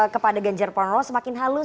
kepada ganjar pranowo semakin halus